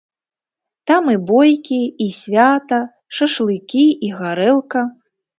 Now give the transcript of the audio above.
Там і бойкі, і свята, шашлыкі і гарэлка.